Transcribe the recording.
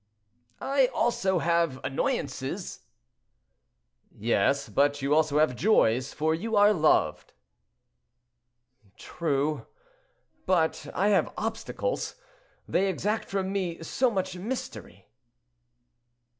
"I, also, have annoyances." "Yes; but you also have joys, for you are loved." "True; but I have obstacles. They exact from me so much mystery."